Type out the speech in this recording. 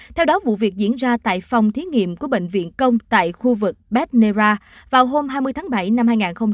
theo đó vụ việc diễn ra tại phòng thí nghiệm của bệnh viện công tại khu vực beznera vào hôm hai mươi tháng bảy năm hai nghìn hai mươi